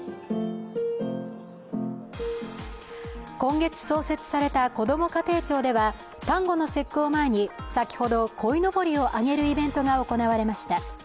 今月、創設されたこども家庭庁では端午の節句を前に先ほど、こいのぼりをあげるイベントが行われました。